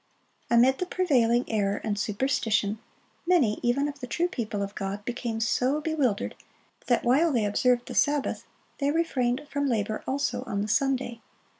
Amid the prevailing error and superstition, many, even of the true people of God, became so bewildered that while they observed the Sabbath, they refrained from labor also on the Sunday.